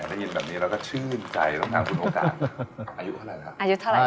ได้ยินแบบนี้เราก็ชื่นใจต่างคุณโอกาอายุเท่าไรครับ